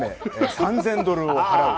３０００ドルを払う。